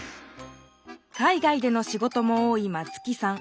海外でのしごとも多い松木さん。